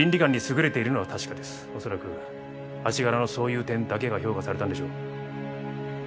恐らく足柄のそういう点だけが評価されたんでしょう。